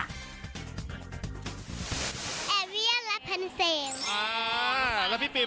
แอร์เวียนและพันเซน